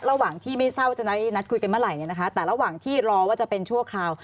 ระหว่างที่ไม่เศร้าจะได้นัดคุยกันเมื่อไหร่เนี่ยนะคะแต่ระหว่างที่รอว่าจะเป็นชั่วคราว